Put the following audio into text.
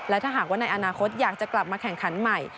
และถ้าหากว่าในอนาคตอยากจะกลับมาแข่งขันใหม่